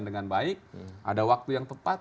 dengan baik ada waktu yang tepat